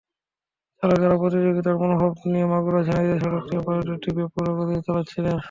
চালকেরা প্রতিযোগিতার মনোভাব নিয়ে মাগুরা-ঝিনাইদহ সড়ক দিয়ে বাস দুটি বেপরোয়া গতিতে চালাচ্ছিলেন।